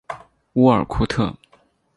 乌尔库特。